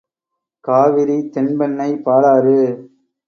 Kaveri Thenpennai Palar